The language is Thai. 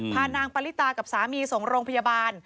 พานางปริตากับสามีส่งโรงพยาบาล